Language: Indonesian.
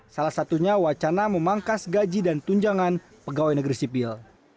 salah satunya wacana memangkas gaji dan tunjangan pegawai negeri sipil